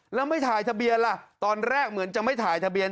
แล้วไม่ถ่ายทะเบียนล่ะตอนแรกเหมือนจะไม่ถ่ายทะเบียน